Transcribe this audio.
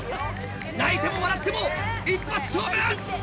泣いても笑っても一発勝負！